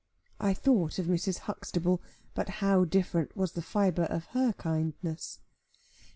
I thought of Mrs. Huxtable; but how different was the fibre of her kindness!